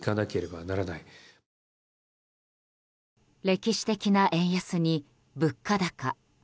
歴史的な円安に物価高。